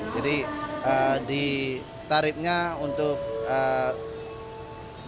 jadi di tarifnya untuk dibangun